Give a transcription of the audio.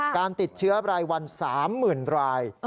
การติดเชื้อรายวัน๓๐๐๐ราย